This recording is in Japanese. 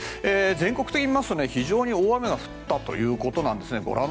全国的に見ますと非常に大雨が降ったということです。